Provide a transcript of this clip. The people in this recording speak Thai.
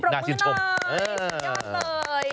โอ้โหปรบมือหน่อยสุดยอดเลย